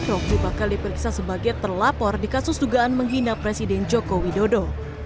roky bakal diperiksa sebagai terlapor di kasus dugaan menghina presiden joko widodo